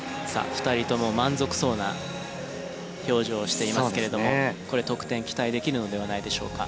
２人とも満足そうな表情をしていますけれどもこれ得点期待できるのではないでしょうか。